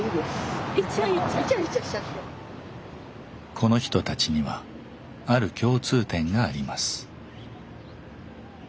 この人たちにはある共通点があります。